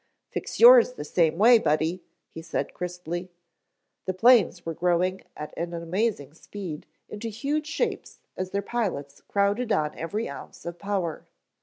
"Fix yours the same way, Buddy," he said crisply. The planes were growing at an amazing speed into huge shapes as their pilots crowded on every ounce of power.